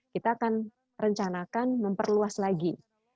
kita akan rencanakan memperluas lagi